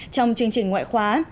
trong chương trình ngoại khóa